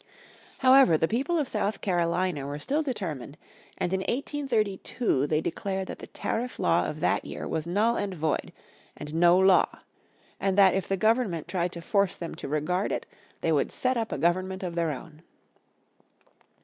However, the people of South Carolina were still determined, and in 1832 they declared that the tariff law of that year was null and void, and no law; and that if the Government tried to force them to regard it they would set up a government of their own.